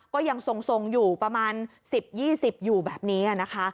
ก็ยังทรงอยู่ประมาณ๑๐๒๐อยู่แบบนี้นะคะ